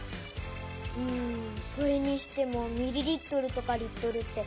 うんそれにしてもミリリットルとかリットルって。